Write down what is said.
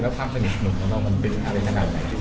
แล้วความสนิทสนมเราก็เป็นอะไรทำงานไหน